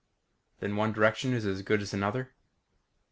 "Then one direction is as good as another?"